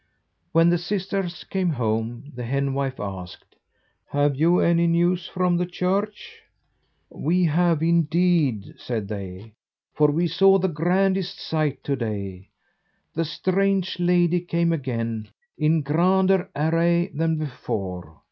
When the sisters came home, the henwife asked: "Have you any news from the church?" "We have indeed," said they, "for we saw the grandest sight to day. The strange lady came again, in grander array than before.